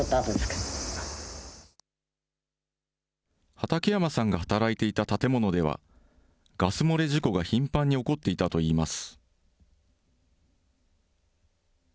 畠山さんが働いていた建物では、ガス漏れ事故が頻繁に起こっていたといいます。